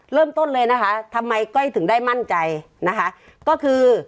เริ่มต้นเลยนะคะทำไมก้อยถึงได้มั่นใจนะคะก็คือ